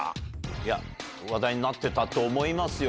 いや、話題になっていたと思いますよ。